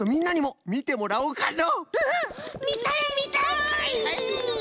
みたいみたい！